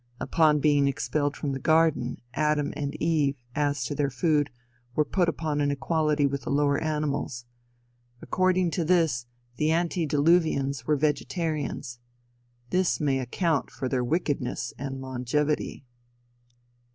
Upon being expelled from the garden, Adam and Eve, as to their food, were put upon an equality with the lower animals. According to this, the ante diluvians were vegetarians. This may account for their wickedness and longevity.